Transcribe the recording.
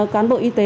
cán bộ y tế